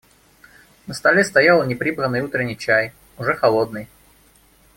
На столе стоял неприбранный утренний чай, уже холодный.